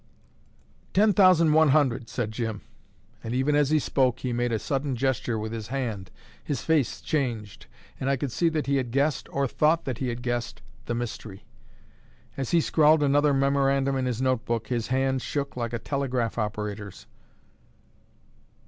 "Ten thousand one hundred," said Jim; and even as he spoke he made a sudden gesture with his hand, his face changed, and I could see that he had guessed, or thought that he had guessed, the mystery. As he scrawled another memorandum in his note book, his hand shook like a telegraph operator's.